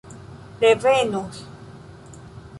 revenos